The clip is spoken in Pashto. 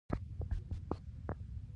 ښارونه د نن او راتلونکي لپاره ارزښت لري.